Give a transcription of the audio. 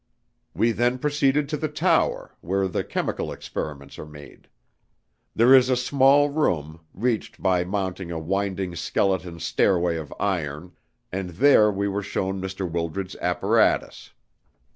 "We then proceeded to the tower, where the chemical experiments are made. There is a small room, reached by mounting a winding skeleton stairway of iron, and there we were shown Mr. Wildred's apparatus.